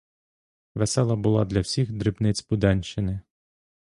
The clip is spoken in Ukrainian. Весела була для всіх дрібниць буденщини.